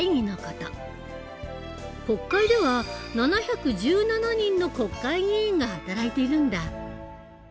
国会では７１７人の国会議員が働いているんだ。